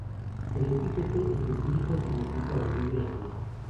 El epíteto específico significa "orgullo" en latín.